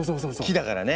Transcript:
木だからね。